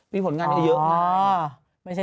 มีผลงานให้เยอะมาก